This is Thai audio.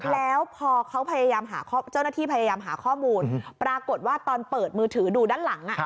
แล้วพอเขาพยายามหาเจ้าหน้าที่พยายามหาข้อมูลปรากฏว่าตอนเปิดมือถือดูด้านหลัง